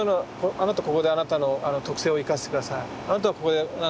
あなたはここであなたの特性を生かして下さい。